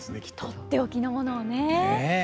取って置きのものをね。